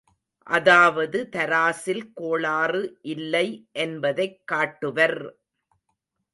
அதாவது தராசில் கோளாறு இல்லை என்பதைக் காட்டுவர்!